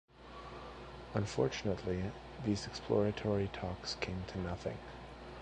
Unfortunately, these exploratory talks came to nothing.